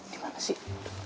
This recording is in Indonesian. di mana sih